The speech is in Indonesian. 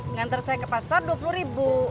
mengantar saya ke pasar dua puluh ribu